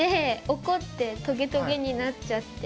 怒ってトゲトゲになっちゃって。